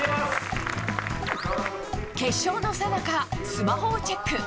決勝のさなか、スマホをチェック。